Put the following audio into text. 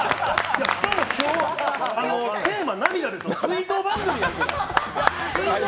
しかも今日、テーマ涙でしょ、追悼番組みたい。